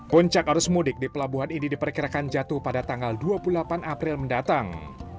puncak arus mudik di pelabuhan ini diperkirakan jatuh pada tanggal dua puluh delapan april mendatang